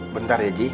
bentar ya ji